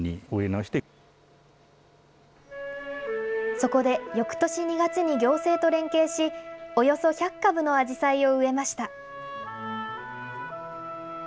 そこで、よくとし２月に行政と連携し、およそ１００株のあじさいを植えました。